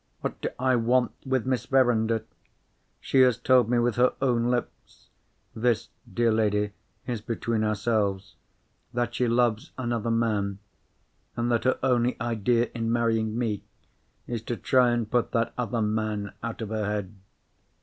What do I want with Miss Verinder? She has told me with her own lips (this, dear lady, is between ourselves) that she loves another man, and that her only idea in marrying me is to try and put that other man out of her head.